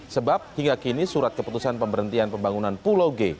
sebab hingga kini surat keputusan pemberhentian pembangunan pulau g